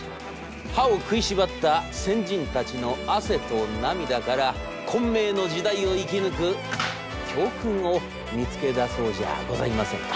歯を食いしばった先人たちの汗と涙から混迷の時代を生き抜く教訓を見つけ出そうじゃございませんか。